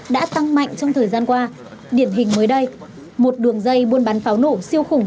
đã tăng mạnh trong thời gian qua điển hình mới đây một đường dây buôn bán pháo nổ siêu khủng